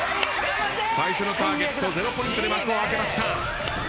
最初のターゲット０ポイントで幕を開けました。